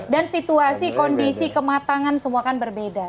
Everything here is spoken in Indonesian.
dan situasi kondisi kematangan semua kan berbeda